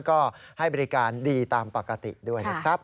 ก็ให้บริการดีตามปกติด้วยนะครับ